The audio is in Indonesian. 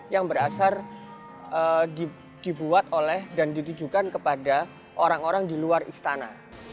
yang berasal dibuat oleh dan ditujukan kepada orang orang di luar istana